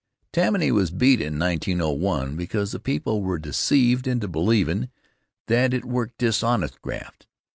Tammany was beat in 1901 because the people were deceived into believin' that it worked dishonest graft.